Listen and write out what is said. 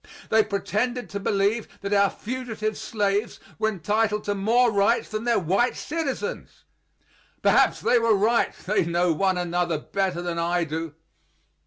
They pretended to believe that our fugitive slaves were entitled to more rights than their white citizens; perhaps they were right, they know one another better than I do.